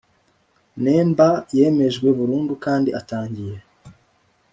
Nemba yemejwe burundu kandi atangiye